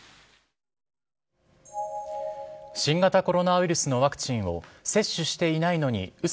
新型コロナウイルスのワクチンを、接種していないのにう